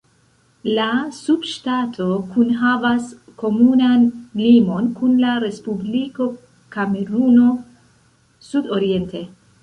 La subŝtato kunhavas komunan limon kun la Respubliko Kameruno sudoriente.